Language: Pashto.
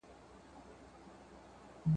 چي د زرکي په څېر تور ته خپل دوستان وړي